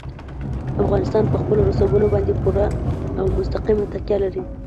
افغانستان په خپلو رسوبونو باندې پوره او مستقیمه تکیه لري.